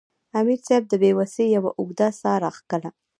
امیر صېب د بې وسۍ یوه اوږده ساه راښکله